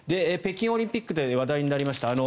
北京オリンピックで話題になりました